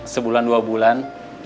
sebulan dua bulan